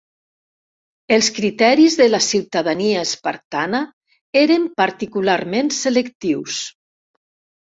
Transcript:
Els criteris de la ciutadania espartana eren particularment selectius.